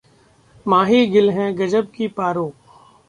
माही गिल है गजब की 'पारो'